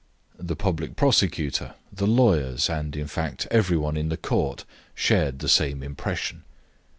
The public prosecutor, the lawyers, and, in fact, everyone in the court, shared the same impression.